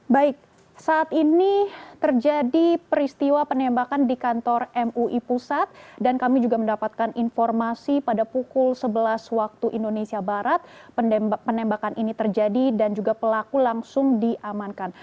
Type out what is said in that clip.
baik saat ini terjadi peristiwa penembakan di kantor mui pusat dan kami juga mendapatkan informasi pada pukul sebelas waktu indonesia barat penembakan ini terjadi dan juga pelaku langsung diamankan